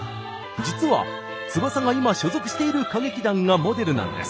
実は翼が今所属している歌劇団がモデルなんです。